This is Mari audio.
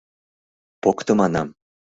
Покто, манам!..